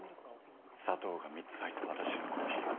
砂糖が３つ入った私のコーヒーを。